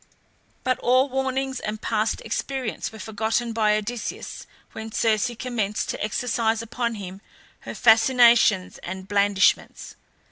But all warnings and past experience were forgotten by Odysseus when Circe commenced to exercise upon him her fascinations and blandishments.